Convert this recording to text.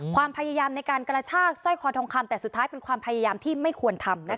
ความพยายามในการกระชากสร้อยคอทองคำแต่สุดท้ายเป็นความพยายามที่ไม่ควรทำนะคะ